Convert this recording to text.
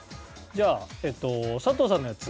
じゃあ佐藤さんのやつ。